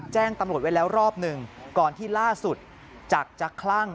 แจ้งตำรวจไว้แล้วรอบหนึ่งก่อนที่ล่าสุดจักรจะคลั่ง